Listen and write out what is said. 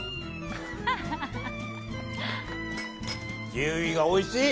キウイがおいしい！